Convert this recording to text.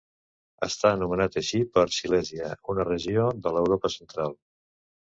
Està nomenat així per Silèsia, una regió de l'Europa central.